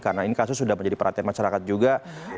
karena ini kasus sudah menjadi perhatian masyarakat juga